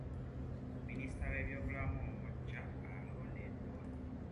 Minisita w'ebyobulamu omuggya alondeddwa.